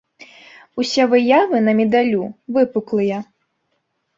Усе выявы на медалю выпуклыя.